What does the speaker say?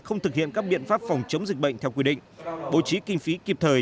không thực hiện các biện pháp phòng chống dịch bệnh theo quy định bố trí kinh phí kịp thời